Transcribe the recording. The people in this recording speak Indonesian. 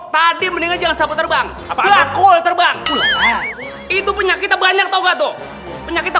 tadi mendingan sapu terbang apa cool terbang itu punya kita banyak togak tuh punya kita